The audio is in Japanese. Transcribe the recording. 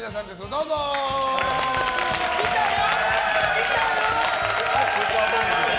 どうぞ！来たよ！